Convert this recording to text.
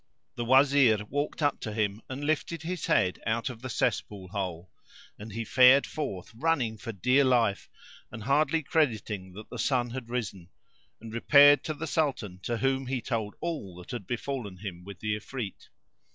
The Wazir walked up to him and lifted his head out of the cesspool hole; and he fared forth running for dear life and hardly crediting that the sun had risen; and repaired to the Sultan to whom he told all that had befallen him with the Ifrit.